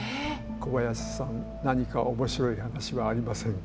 「小林さん何か面白い話はありませんか」。